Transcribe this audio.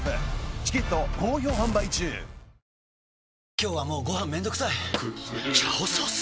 今日はもうご飯めんどくさい「炒ソース」！？